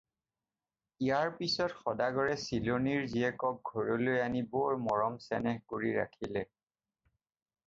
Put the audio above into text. ইয়াৰ পিছত সদাগৰে চিলনীৰ জীয়েকক ঘৰলৈ আনি বৰ মৰম-চেনেহ কৰি ৰাখিলে।